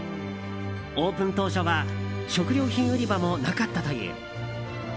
オープン当初は食料品売り場もなかったという。